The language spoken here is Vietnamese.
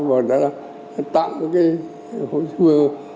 và đã tặng cái hồ chí vừa